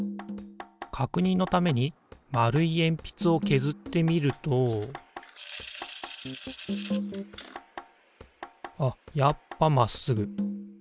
かくにんのために丸いえんぴつをけずってみるとあっやっぱまっすぐ。